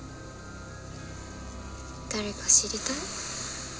誰か知りたい？